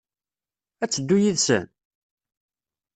Ad teddu yid-sen?